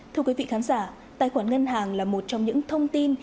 thưa quý vị khán giả tài khoản ngân hàng là một trong những thông tin